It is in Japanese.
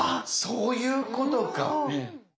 そういうことか。